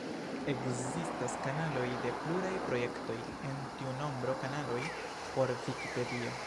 Ekzistas kanaloj de pluraj projektoj, en tiu nombro kanaloj por Vikipedio.